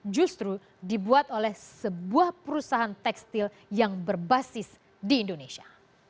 justru dibuat oleh sebuah perusahaan tekstil yang berbasis di indonesia